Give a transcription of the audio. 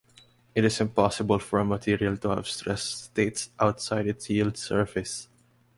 It is impossible for a material to have stress states outside its yield surface.